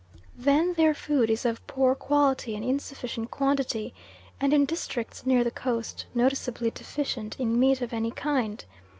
Then their food is of poor quality and insufficient quantity, and in districts near the coast noticeably deficient in meat of any kind.